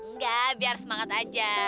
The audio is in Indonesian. nggak biar semangat aja